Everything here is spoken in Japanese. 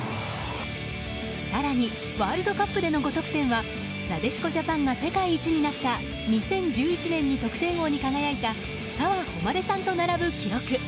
更に、ワールドカップでの５得点はなでしこジャパンが世界一になった２０１１年に得点王に輝いた澤穂希さんと並ぶ記録。